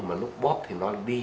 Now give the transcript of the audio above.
mà lúc bóp thì nó đi